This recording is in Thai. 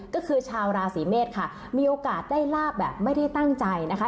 ก็คือชาวราศีเมษค่ะมีโอกาสได้ลาบแบบไม่ได้ตั้งใจนะคะ